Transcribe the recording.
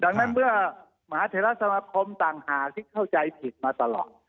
ดังนั้นเมื่อมหาเทราสมาคมต่างหากที่เข้าใจผิดมาตลอด